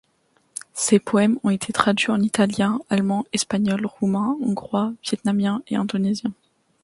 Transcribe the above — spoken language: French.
Ses poèmes ont été traduits en italien, allemand, espagnol, roumain, hongrois, vietnamien, indonésien.